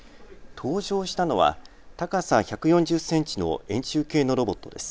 登場したのは高さ１４０センチの円柱形のロボットです。